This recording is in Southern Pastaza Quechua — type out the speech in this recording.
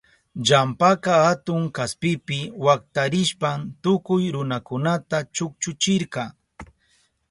Ilampaka atun kaspipi waktarishpan tukuy runakunata chukchuchirka.